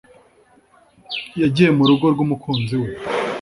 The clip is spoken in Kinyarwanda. yagiye murugo rwumukunzi we